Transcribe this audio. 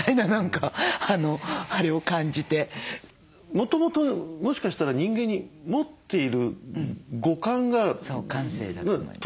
もともともしかしたら人間に持っている五感が研ぎ澄まされていく。